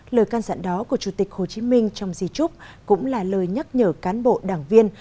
lời can dặn đó của chủ tịch hồ chí minh trong di trúc cũng là lời nhắc nhở cán bộ đảng viên